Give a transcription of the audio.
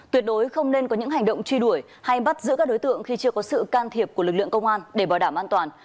tuyệt đối không nên có những hành động truy đuổi hay bắt giữ các đối tượng khi chưa có sự can thiệp của lực lượng công an để bảo đảm an toàn